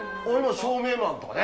照明マンとかね。